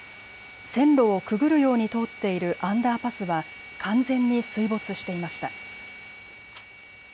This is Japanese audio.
線路をくぐるように通っているアンダーパスは完全に水没していました。